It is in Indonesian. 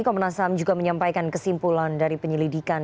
komnas ham juga menyampaikan kesimpulan dari penyelidikan